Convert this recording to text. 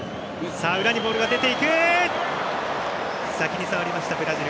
先に触りましたブラジル。